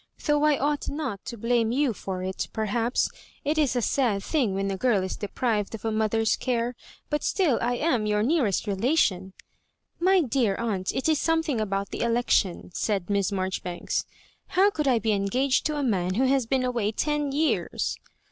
" Though I ought not to blame you for it, per haps. It is a sad thing when a girl is deprived of a mother's care ; but still I am your nearest relation "My dear aunt, it is something about the elec tion," said m^s Marjoribanks. " How could I be engaged to a man who has been away ten years